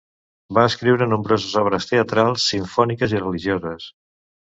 Va escriure nombroses obres teatrals, simfòniques i religioses.